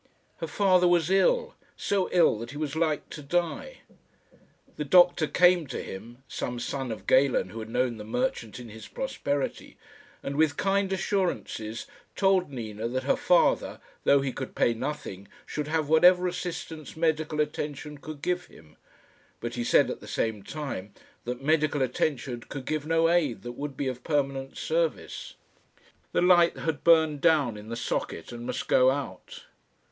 Her father was ill so ill that he was like to die. The doctor came to him some son of Galen who had known the merchant in his prosperity and, with kind assurances, told Nina that her father, though he could pay nothing, should have whatever assistance medical attention could give him; but he said, at the same time, that medical attention could give no aid that would be of permanent service. The light had burned down in the socket, and must go out.